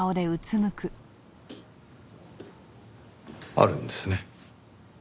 あるんですね？